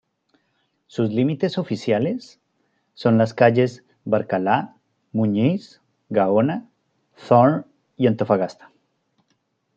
Sus límites oficiales son las calles: Barcala, Muñiz, Gaona, Thorne y Antofagasta.